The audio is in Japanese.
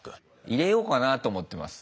入れようかなと思ってます。